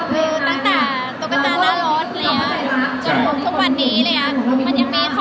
โมสของเรามา๑๐ปีมามัก